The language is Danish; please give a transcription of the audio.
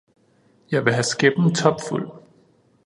Jeg vil have skæppen topfuld.